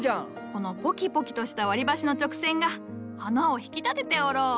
このポキポキとした割り箸の直線が花を引き立てておろう。